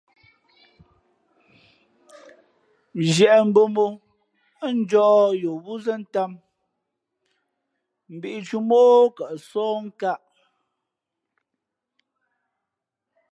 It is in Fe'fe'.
Zhiēʼ mbō mó ά njǒh yo wúzᾱ tām mbīʼtǔmά o kαʼsóh nkāʼ.